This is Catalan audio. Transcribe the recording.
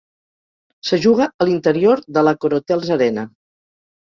Se juga a l'interior de l'AccorHotels Arena.